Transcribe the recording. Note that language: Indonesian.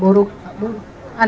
dari gunung baringin